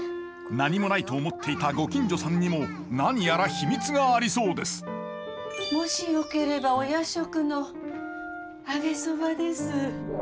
何もないと思っていたご近所さんにも何やら秘密がありそうですもしよければお夜食の揚げそばです。